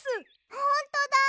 ほんとだ！